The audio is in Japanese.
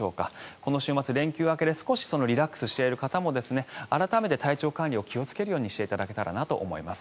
この週末、連休明けで少しリラックスしている方も改めて、体調管理を気をつけるようにしていただけたらなと思います。